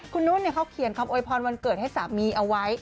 คุณนุ่นเขาเขียนคำโวยพรวันเกิดให้สามีเอาไว้